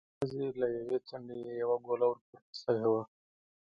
مازې له يوې څنډې يې يوه ګوله ور پورته شوې وه.